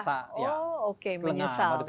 oh oke menyesal